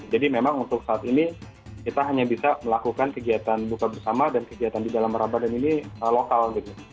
jadi memang untuk saat ini kita hanya bisa melakukan kegiatan buka bersama dan kegiatan di dalam ramadan ini lokal